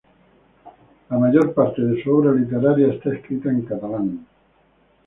La mayor parte de su obra literaria está escrita en catalán.